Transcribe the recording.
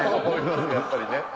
やっぱりね。